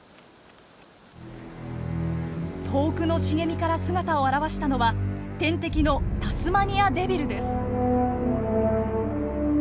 遠くの茂みから姿を現したのは天敵のタスマニアデビルです。